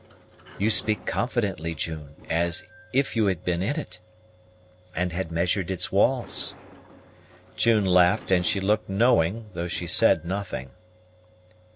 "You speak confidently, June; as if you had been in it, and had measured its walls." June laughed; and she looked knowing, though she said nothing.